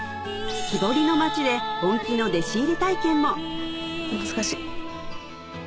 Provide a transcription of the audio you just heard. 木彫りの町で本気の弟子入り体験も難しい。